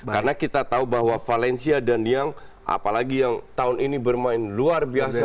karena kita tahu bahwa valencia dan young apalagi yang tahun ini bermain luar biasa